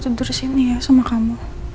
aku tidur disini ya sama kamu